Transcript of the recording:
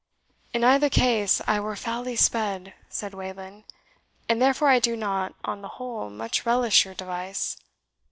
"In either case I were foully sped," said Wayland, "and therefore I do not, on the whole, much relish your device."